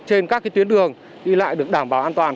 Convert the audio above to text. trên các tuyến đường đi lại được đảm bảo an toàn